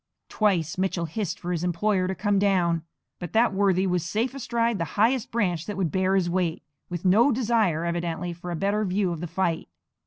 Twice Mitchell hissed for his employer to come down; but that worthy was safe astride the highest branch that would bear his weight, with no desire evidently for a better view of the fight.